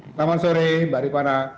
selamat sore mbak ripana